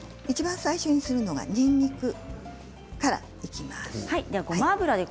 いちばん最初にするのがにんにくからいきます。